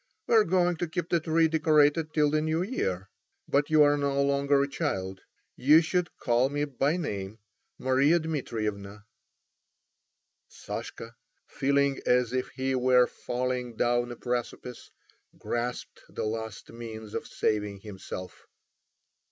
"We are going to keep the tree decorated till the New Year. But you are no longer a child; you should call me by name—Maria Dmitrievna." Sashka, feeling as if he were falling down a precipice, grasped the last means of saving himself.